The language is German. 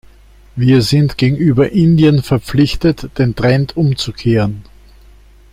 Wir sind gegenüber Indien verpflichtet, den Trend umzukehren.